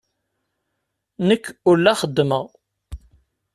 Nekk ur la xeddmeɣ.